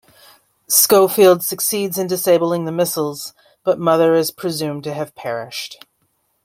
Schofield succeeds in disabling the missiles, but Mother is presumed to have perished.